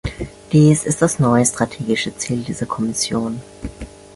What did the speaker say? Dies ist das neue strategische Ziel dieser Kommission.